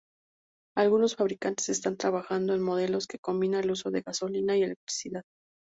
Algunos fabricantes están trabajando en modelos que combinan el uso de gasolina y electricidad.